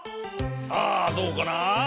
さあどうかな？